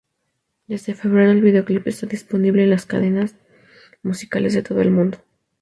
Desde febrero el videoclip está disponible en las cadenas musicales de todo el mundo.